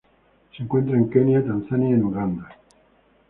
Se encuentra en Kenia, Tanzania y en Uganda.